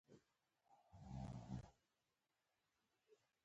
هري پور ، بټګرام ، تورغر